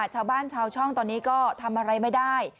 ชาวบ้านชาวช่องตอนนี้ก็ทำอะไรไม่ได้